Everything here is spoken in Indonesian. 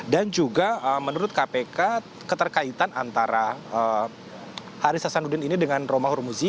dan juga menurut kpk keterkaitan antara haris sasanudin ini dengan romahur muzi